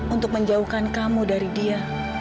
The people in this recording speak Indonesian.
untuk menjauhkan kamu dari dia